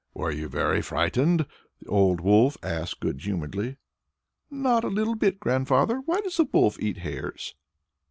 "Were you very frightened?" the old wolf asked good humouredly. "Not a little bit. Grandfather, why does the wolf eat hares?"